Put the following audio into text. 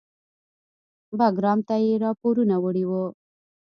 بګرام ته یې راپورونه وړي وو.